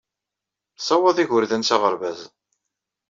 Tessawaḍ igerdan s aɣerbaz.